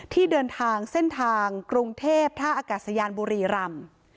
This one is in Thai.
ที่เดินทางเส้นทางกรุงเทพท่าอากาศยานบุรีรำ